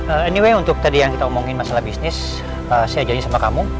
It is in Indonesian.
anyway untuk tadi yang kita omongin masalah bisnis saya ajarin sama kamu